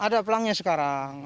ada pelangnya sekarang